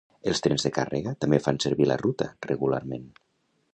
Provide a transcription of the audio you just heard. Els trens de càrrega també fan servir la ruta regularment.